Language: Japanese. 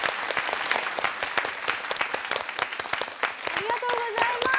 ありがとうございます。